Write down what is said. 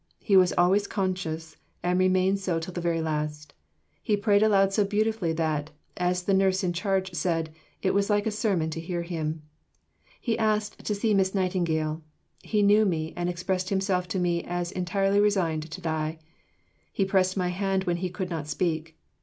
He was always conscious, and remained so till the very last. He prayed aloud so beautifully that, as the Nurse in charge said, "It was like a sermon to hear him." He asked "to see Miss Nightingale." He knew me, and expressed himself to me as entirely resigned to die. He pressed my hand when he could not speak.